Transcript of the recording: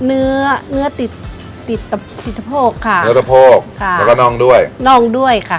เนื้อเนื้อสะโพกแล้วก็น่องด้วยน้องด้วยค่ะ